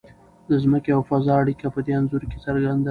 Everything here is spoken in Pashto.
د ځمکې او فضا اړیکه په دې انځور کې څرګنده ده.